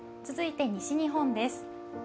続いて西日本です。